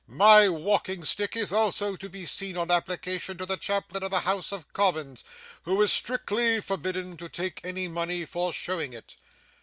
My walking stick is also to be seen on application to the chaplain of the House of Commons, who is strictly forbidden to take any money for showing it.